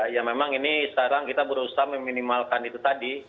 ya memang ini sekarang kita berusaha meminimalkan itu tadi